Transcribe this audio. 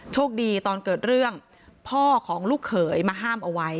ตอนเกิดเรื่องพ่อของลูกเขยมาห้ามเอาไว้